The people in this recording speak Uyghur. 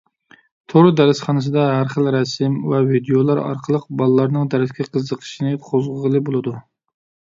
تور دەرسخانىسىدا ھەر خىل رەسىم ۋە ۋىدىيولار ئارقىلىق بالىلارنىڭ دەرسكە قىزىقىشىنى قوزغىغىلى بولىدۇ.